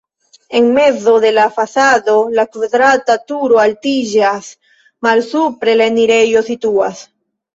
En mezo de la fasado la kvadrata turo altiĝas, malsupre la enirejo situas.